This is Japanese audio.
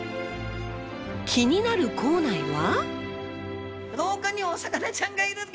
気になる校内は。